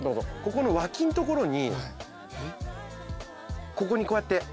ここの脇の所にここにこうやって。